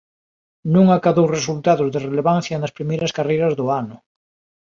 Non acadou resultados de relevancia nas primeiras carreiras do ano.